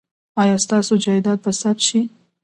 ایا ستاسو جایداد به ثبت شي؟